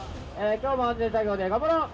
今日も安全作業で頑張ろう。